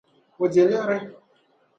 O di liɣri.